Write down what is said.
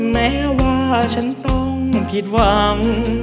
แม้ว่าฉันต้องผิดหวัง